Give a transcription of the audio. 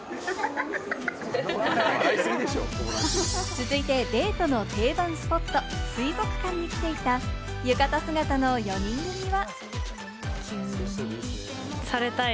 続いてデートの定番スポット・水族館に来ていた浴衣姿の４人組は。